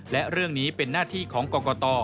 และเรื่องนี้เป็นหน้าที่ของกรกต